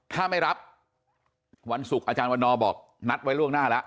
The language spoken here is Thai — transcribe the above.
ถ้าไม่รับวันศุกร์อาจารย์วันนอบอกนัดไว้ล่วงหน้าแล้ว